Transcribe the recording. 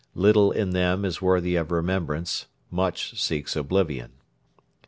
Little in them is worthy of remembrance; much seeks oblivion.